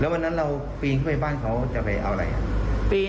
วันนั้นเราปีนเข้าไปบ้านเขาจะไปเอาอะไร